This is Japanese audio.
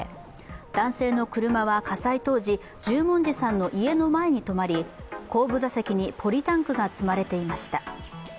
男性の車は火災当時、十文字さんの家の前に止まり後部座席にポリタンクが積まれていました。